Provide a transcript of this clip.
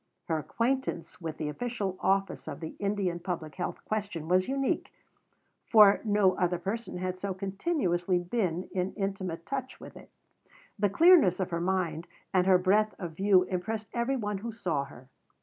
Her acquaintance with the official history of the Indian Public Health question was unique, for no other person had so continuously been in intimate touch with it. The clearness of her mind and her breadth of view impressed every one who saw her.